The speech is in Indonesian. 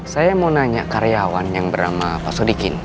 saya mau nanya karyawan yang bernama pak sodikin